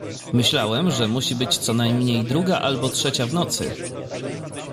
Myślałem, że musi być co najmniej druga albo trzecia w nocy.